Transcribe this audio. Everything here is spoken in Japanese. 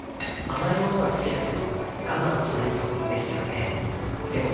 甘い物は好きだけど我慢しないとですよね